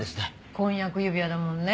婚約指輪だもんね。